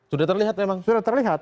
sudah terlihat memang sudah terlihat